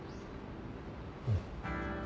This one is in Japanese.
うん。